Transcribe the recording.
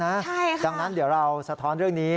ใช่ค่ะดังนั้นเดี๋ยวเราสะท้อนเรื่องนี้